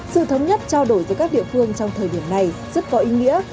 sự thống nhất trao đổi giữa các địa phương trong thời điểm này rất có ý nghĩa